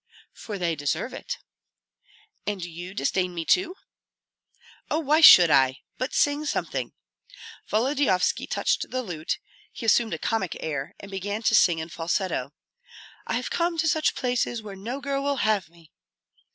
"For they deserve it." "And do you disdain me too?" "Oh, why should I? But sing something." Volodyovski touched the lute; he assumed a comic air, and began to sing in falsetto, "I have come to such places Where no girl will have me!